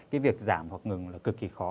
cái việc giảm hoặc ngừng là cực kỳ khó